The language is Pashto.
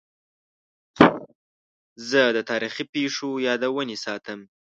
زه د تاریخي پیښو یادونې ساتم.